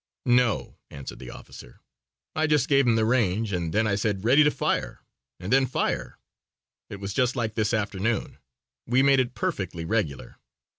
"No," answered the officer, "I just gave 'em the range and then I said 'ready to fire' and then, 'fire.' It was just like this afternoon. We made it perfectly regular."